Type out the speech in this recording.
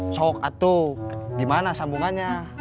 cok atau gimana sambungannya